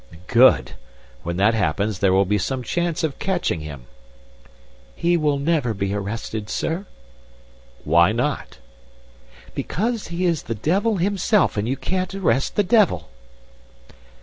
"Good! When that happens, there will be some chance of catching him." "He will never be arrested, sir." "Why not?" "Because he is the devil himself, and you can't arrest the devil!"